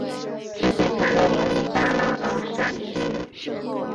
这些材料由于战乱而散失。